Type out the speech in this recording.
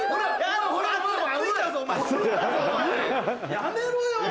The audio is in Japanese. やめろよ！